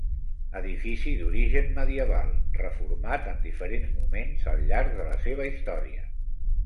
Edifici d'origen medieval, reformat en diferents moments al llarg de la seva història.